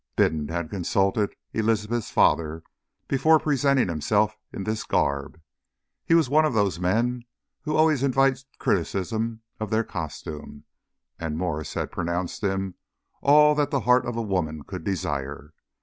Bindon had consulted Elizabeth's father before presenting himself in this garb he was one of those men who always invite criticism of their costume and Mwres had pronounced him all that the heart of woman could desire.